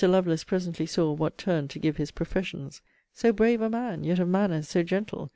Lovelace presently saw what turn to give his professions. So brave a man, yet of manners so gentle!